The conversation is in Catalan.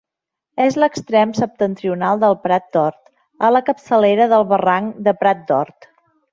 És l'extrem septentrional del Prat d'Hort, a la capçalera del barranc de Prat d'Hort.